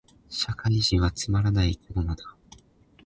社会人はつまらない生き物だ